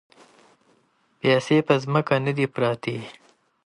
پیسې په ځمکه نه دي پرتې.